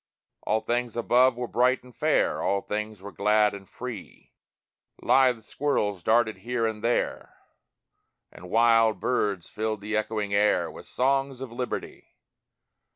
All things above were bright and fair, All things were glad and free; Lithe squirrels darted here and there, And wild birds filled the echoing air With songs of Liberty!